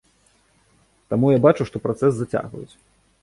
Таму я бачу, што працэс зацягваюць.